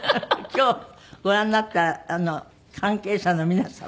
今日ご覧になった関係者の皆様